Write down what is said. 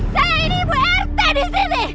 saya ini ibu rt disini